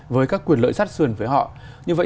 với các quyền lợi sát sườn với họ như vậy